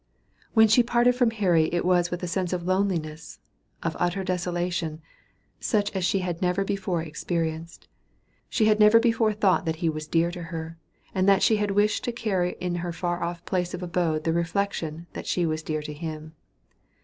When she parted from Henry it was with a sense of loneliness, of utter desolation, such as she had never before experienced. She had never before thought that he was dear to her, and that she had wished to carry in her far off place of abode the reflection that she was dear to him.